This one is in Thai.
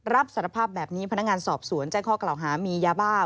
รับสารภาพแบบนี้พนักงานสอบสวนแจ้งข้อกล่าวหามียาบ้า